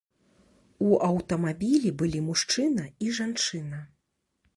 У аўтамабілі былі мужчына і жанчына.